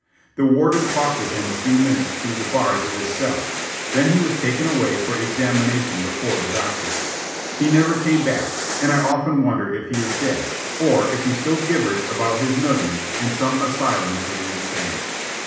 The warden talked with him a few minutes through the bars of his cell. Then he was taken away for examination before the doctors. He never came back, and I often wonder if he is dead, or if he still gibbers about his millions in some asylum for the insane.